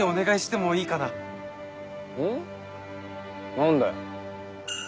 何だよ。